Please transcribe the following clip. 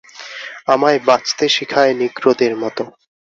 আমাকে বাচতে শিখায় নিগ্রোদের মত।